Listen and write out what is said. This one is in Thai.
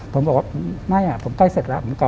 ผมบอกว่าไม่อ่ะผมใกล้เสร็จแล้ว